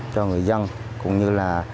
cho người dân cũng như là